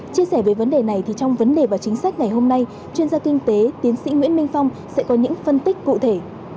chia sẻ về vấn đề này thì trong vấn đề và chính sách ngày hôm nay chuyên gia kinh tế tiến sĩ nguyễn minh phong sẽ có những phân tích cụ thể